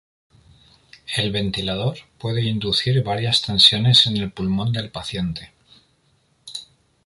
El ventilador puede inducir varias tensiones en el pulmón del paciente.